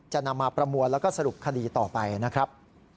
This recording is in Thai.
จะนำมาประมวลแล้วก็สรุปคดีต่อไปนะครับ